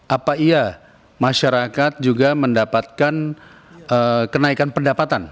apa iya masyarakat juga mendapatkan kenaikan pendapatan